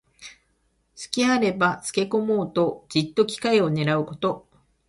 すきがあればつけこもうと、じっと機会をねらうこと。